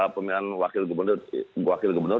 pemilihan wakil gubernur